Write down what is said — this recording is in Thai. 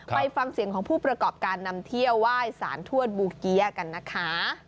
ไปฟังเสียงของผู้ประกอบการนำเที่ยวไหว้สารทวดบูเกี๊ยกันนะคะ